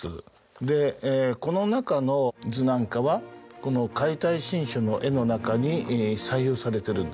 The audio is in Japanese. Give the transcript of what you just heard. でこの中の図なんかはこの『解体新書』の絵の中に採用されてるんです。